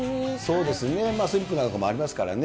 そうですね、スリップなんかもありますからね。